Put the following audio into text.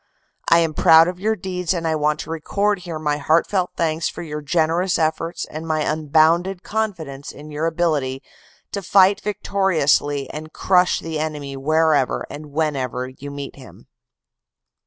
"I am proud of your deeds and I want to record here my heart felt thanks for your generous efforts and my unbounded confidence in your ability to fight victoriously and crush the enemy wherever and whenever you meet him."